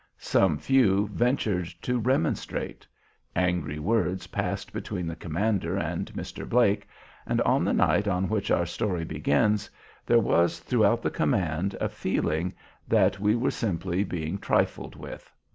Some few ventured to remonstrate. Angry words passed between the commander and Mr. Blake, and on the night on which our story begins there was throughout the command a feeling that we were simply being trifled with.